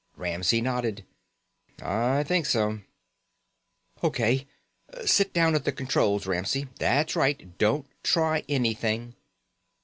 Ramsey nodded. "I think so." "O.K. Sit down at the controls, Ramsey. That's right. Don't try anything."